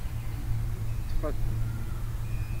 Ṭṭfet.